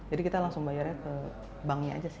jadi kita langsung bayarnya ke banknya aja sih